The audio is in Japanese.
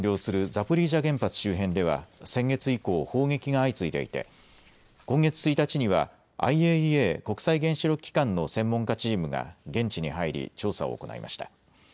ザポリージャ原発周辺では先月以降、砲撃が相次いでいて今月１日にはＩＡＥＡ・国際原子力機関の専門家チームが現地に入り調査を行いました。